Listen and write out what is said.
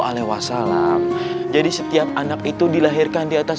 alaihi wasallam jadi setiap anak itu dilahirkan di atas